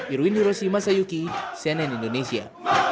irwin hiroshi masayuki cnn indonesia